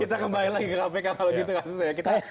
kita kembali lagi ke kpk kalau gitu kasusnya